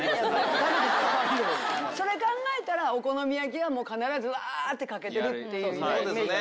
それ考えたらお好み焼きは必ずわってかけてるっていうイメージ。